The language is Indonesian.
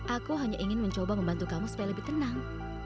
aku hanya ingin mencoba membantu kamu supaya lebih tenang